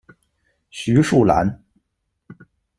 徐树兰。